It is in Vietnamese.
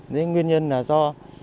nên nguyên nhân là do